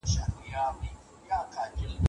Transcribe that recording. د لاس پرې کول يو عبرتناک درس دی.